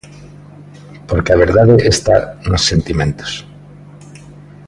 Porque a verdade está nos sentimentos.